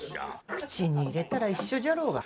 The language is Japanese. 口に入れたら一緒じゃろうが。